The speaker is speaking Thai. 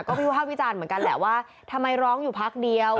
ก็วิภาควิจารณ์เหมือนกันแหละว่าทำไมร้องอยู่พักเดียว